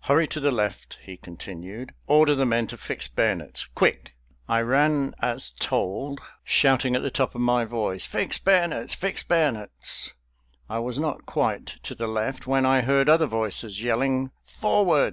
"Hurry to the left," he continued. "Order the men to fix bayonets quick!" I ran as told, shouting at the top of my voice, "Fix bayonets! fix bayonets!" I was not quite to the left, when I heard other voices yelling, "Forward!